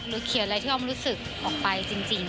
เขียนอะไรที่อ้อมรู้สึกออกไปจริง